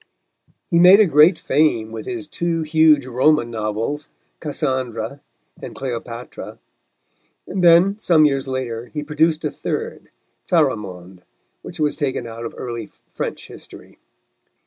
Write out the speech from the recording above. He made a great fame with his two huge Roman novels, Cassandra and Cleopatra, and then, some years later, he produced a third, Pharamond which was taken out of early French history.